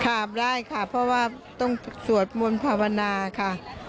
ได้ค่ะเพราะว่าต้องสวดมนต์ภาวนาค่ะ